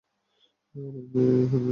আমার মেই-মেইকে কী করেছ?